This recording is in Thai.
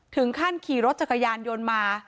ถึงขั้นขี่รถจักรยานยนต์มา